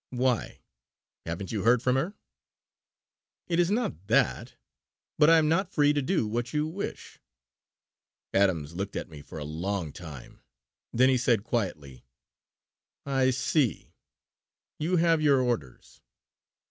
"Why? Haven't you heard from her?" "It is not that; but I am not free to do what you wish." Adams looked at me for a long time. Then he said quietly: "I see. You have your orders!